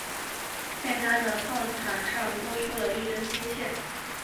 在它的炮塔上多出了一根天线。